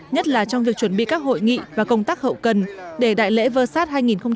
nhất là trong việc chuẩn bị các hội nghị và công tác hậu cần để đại lễ vơ sát hai nghìn một mươi chín